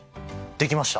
できました！